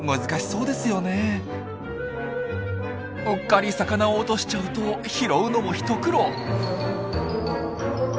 うっかり魚を落としちゃうと拾うのも一苦労。